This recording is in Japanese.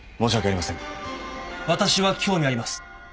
私は興味あります。